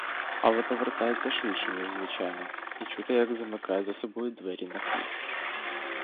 Але повертається швидше, ніж звичайно, і чути, як замикає за собою двері на ключ.